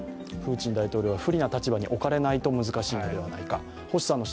プーチン大統領は不利な立場に置かれないと難しいのではないか。